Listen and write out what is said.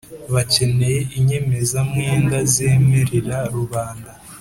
Bakeneye inyemezamwenda zemerera rubanda